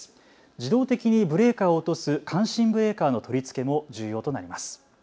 自動的にブレーカーを落とす感震ブレーカーの取り付けも重要となります。